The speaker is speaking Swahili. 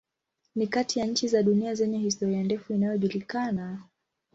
Ni kati ya nchi za dunia zenye historia ndefu inayojulikana.